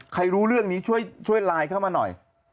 รู้เรื่องนี้ช่วยไลน์เข้ามาหน่อย